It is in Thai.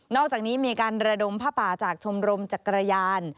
อกจากนี้มีการระดมผ้าป่าจากชมรมจักรยาน